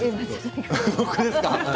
僕ですか？